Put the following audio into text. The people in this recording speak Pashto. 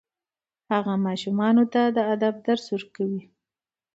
هغه ماشومانو ته د ادب درس ورکوي.